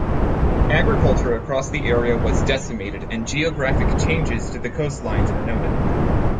Agriculture across the area was decimated and geographic changes to coastlines were noted.